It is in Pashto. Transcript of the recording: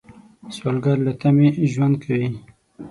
سوالګر له تمې ژوند کوي